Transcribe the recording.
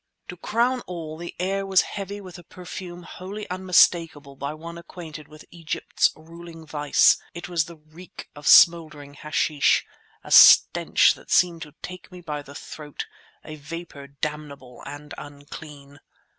To crown all, the air was heavy with a perfume wholly unmistakable by one acquainted with Egypt's ruling vice. It was the reek of smouldering hashish—a stench that seemed to take me by the throat, a vapour damnable and unclean.